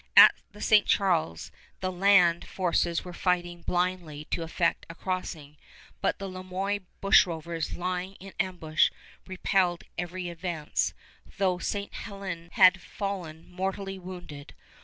At the St. Charles the land forces were fighting blindly to effect a crossing, but the Le Moyne bushrovers lying in ambush repelled every advance, though Ste. Hélène had fallen mortally wounded.